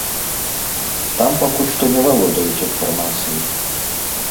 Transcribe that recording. Там пакуль што не валодаюць інфармацыяй.